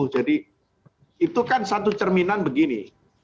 jadi itu kan satu cerminan begini